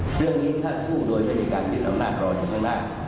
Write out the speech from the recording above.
เรื่องนี้ถ้าสู้โดยบริการยึดอำนาจรออยู่ข้างหน้า